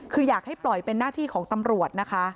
คืออยากให้ปล่อยเป็นหน้าที่ของตำรวจนะคะ